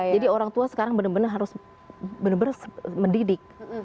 jadi orang tua sekarang benar benar harus benar benar mendidik